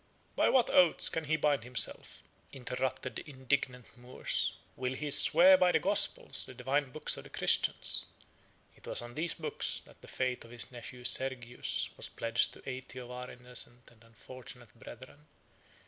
"By what oaths can he bind himself?" interrupted the indignant Moors. "Will he swear by the Gospels, the divine books of the Christians? It was on those books that the faith of his nephew Sergius was pledged to eighty of our innocent and unfortunate brethren.